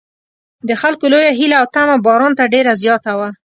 د خلکو لویه هیله او تمه باران ته ډېره زیاته وه.